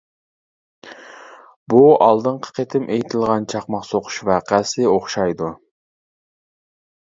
بۇ ئالدىنقى قېتىم ئېيتىلغان چاقماق سوقۇش ۋەقەسى ئوخشايدۇ.